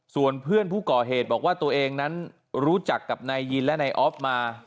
ส่วนเพื่อนผู้ก่อเหตุบอกว่าตัวเองนั้นรู้จักกับนายยินและนายออฟมา